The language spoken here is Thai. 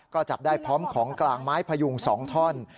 ก็จับได้พร้อมของกลางไม้พยุง๒ท่อน